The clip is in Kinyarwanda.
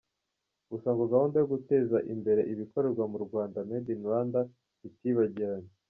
Gusa ngo gahunda yo guteza imbere ibikorerwa mu Rwanda ‘Made in Rwanda’, itibagiranye.